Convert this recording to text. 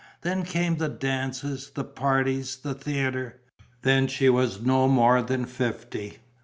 Then came the dances, the parties, the theatre. Then she was no more than fifty.